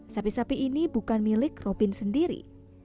sapi sapi ini bukan milik robin sendiri